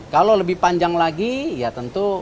kalau lebih panjang lagi ya tentu